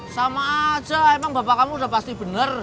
sama aja emang bapak kamu udah pasti bener